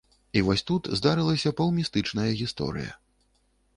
І вось тут здарылася паўмістычная гісторыя.